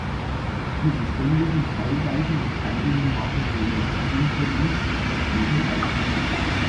Diese ständigen fallweisen Entscheidungen machen nämlich keinem von uns das Leben leicht.